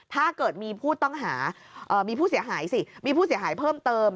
ถ้าเกิดมีผู้ต้องหามีผู้เสียหายสิมีผู้เสียหายเพิ่มเติม